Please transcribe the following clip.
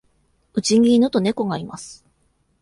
うちに犬と猫がいます。